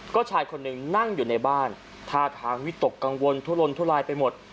ก็ชายคนหนึ่งนั่งอยู่ในบ้านท่าทางวิตกกังวลทุลนทุลายไปหมด